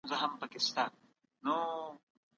پلار یې تجارت پرېښود او کروندې ته یې مخه کړه.